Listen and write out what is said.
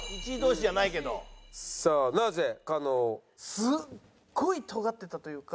すっごいとがってたというか。